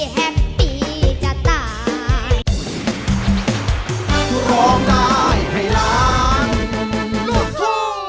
แฮปปี้จะตาย